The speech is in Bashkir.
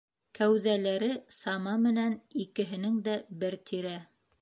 Кәүҙәләре сама менән икеһенең дә бер тирә.